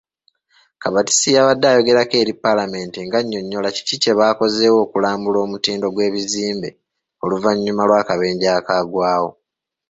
Kabatsi yabadde ayogerako eri Paalamenti ng'annyonnyola kiki kye bakozeewo okulambula omutindo gw'ebizimbe oluvannyuma lw'akabenje akaagwawo.